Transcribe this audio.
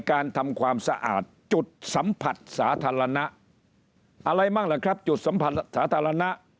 การทำความสะอาดจุดสัมผัสสาธารณะอะไรบ้างล่ะครับจุดสัมผัสสาธารณะ